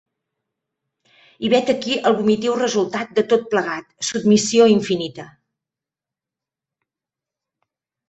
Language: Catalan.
I vet aquí el vomitiu resultat de tot plegat: submissió infinita.